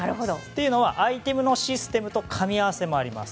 というのは、相手のシステムとのかみ合わせもあります。